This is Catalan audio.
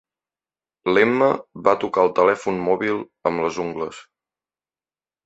L'Emma va tocar el telèfon mòbil amb les ungles.